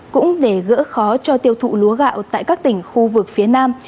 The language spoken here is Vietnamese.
cũng để gỡ khó cho tiêu thụ lúa gạo tại các tỉnh khu vực phía nam